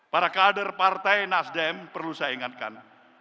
para kader partai nasdem perlu sadar